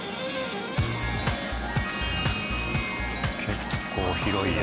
結構広いよ。